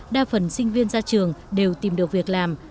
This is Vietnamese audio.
đa phần sinh viên ra trường đều tìm được việc làm